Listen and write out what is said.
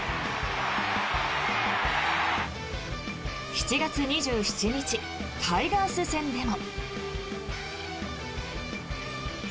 ７月２７日タイガース戦でも。